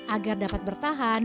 agar dapat bertahan